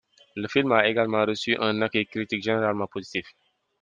Le film a également reçu un accueil critique généralement positif.